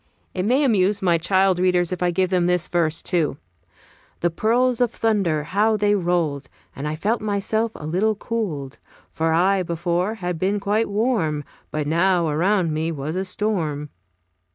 It may amuse my child readers if I give them this verse too: "The peals of thunder, how they rolled! And I felt myself a little cooled; For I before had been quite warm; But now around me was a storm."